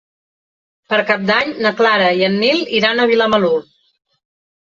Per Cap d'Any na Clara i en Nil iran a Vilamalur.